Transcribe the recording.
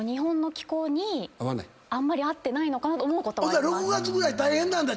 ほんだら６月ぐらい大変なんだ？